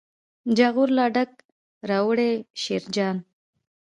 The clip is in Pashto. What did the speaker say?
جاغور لا ډک راوړي شیرجان.